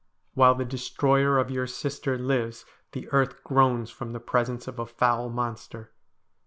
While the destroyer of your sisters lives the earth groans from the presence of a foul monster.